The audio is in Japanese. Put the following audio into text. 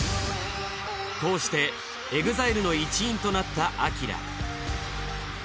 こうしてＥＸＩＬＥの一員となったＡＫＩＲＡ。